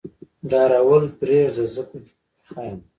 ډارول پرېده زه پکې پخه يم.